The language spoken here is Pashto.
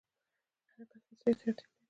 حرکت فاصلې ته اړتیا لري.